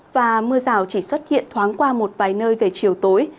và mưa rào chỉ xuất hiện thoáng qua một vài nơi về chiều tối